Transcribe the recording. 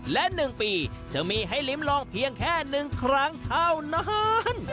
และ๑ปีจะมีให้ลิ้มลองเพียงแค่๑ครั้งเท่านั้น